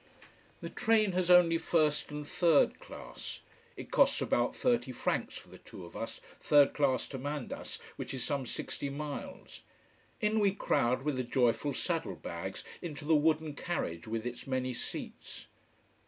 The train has only first and third class. It costs about thirty francs for the two of us, third class to Mandas, which is some sixty miles. In we crowd with the joyful saddle bags, into the wooden carriage with its many seats.